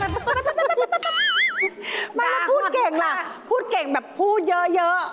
มาพูดเก่งล่ะพูดเก่งแบบพูดเยอะ